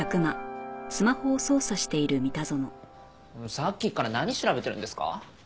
さっきから何調べてるんですか？